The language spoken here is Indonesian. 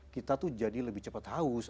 kita tuh jadi lebih cepat haus